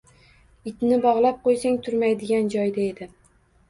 Itni bog‘lab qo‘ysang turmaydigan joyda edi.